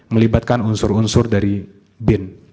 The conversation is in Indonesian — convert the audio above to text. melibatkan unsur unsur dari bin